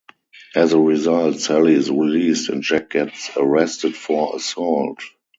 As a result, Sally is released and Jack gets arrested for assault.